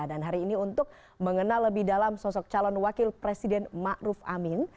dan hari ini untuk mengenal lebih dalam sosok calon wakil presiden ma'ruf amin